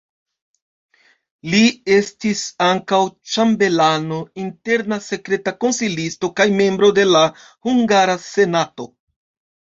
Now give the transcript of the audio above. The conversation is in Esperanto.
Li estis ankaŭ ĉambelano, interna sekreta konsilisto kaj membro de la hungara senato.